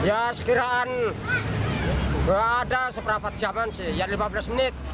ya sekiraan ada seberapa jaman sih ya lima belas menit